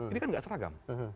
ini kan nggak seragam